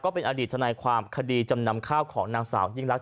คือเอาจริงเราจะได้ยินชื่อนี้บ่อยนะคะ